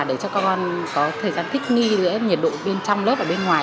để cho con có thời gian thích nghi giữa nhiệt độ bên trong lớp và bên ngoài